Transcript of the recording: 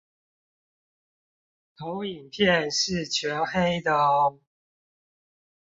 投影片是全黑的喔